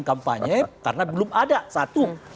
kampanye karena belum ada satu